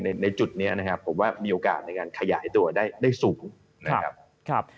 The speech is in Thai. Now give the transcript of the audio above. ในจุดนี้ผมว่ามีโอกาสในการขยายตัวได้สูง